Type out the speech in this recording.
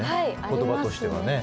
言葉としてはね。